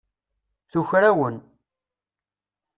Tuker-awen.